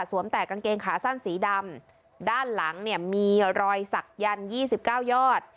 แต่กางเกงขาสั้นสีดำด้านหลังเนี่ยมีรอยสักยันต์ยี่สิบเก้ายอด